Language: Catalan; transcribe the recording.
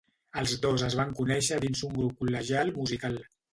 Els dos es van conéixer dins un grup col·legial musical.